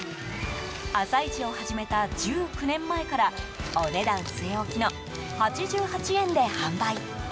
朝市を始めた１９年前からお値段据え置きの８８円で販売。